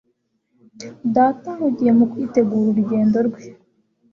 Data ahugiye mu kwitegura urugendo rwe